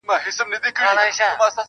• او د بشپړي روغتیا هیله ورته کوو -